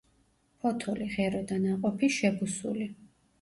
ფოთოლი, ღერო და ნაყოფი შებუსული.